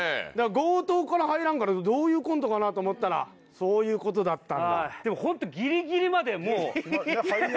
強盗から入らんからどういうコントかなと思ったらそういうことだったんだ。